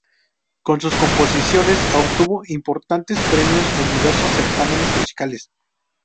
Con sus composiciones obtuvo importantes premios en diversos certámenes musicales.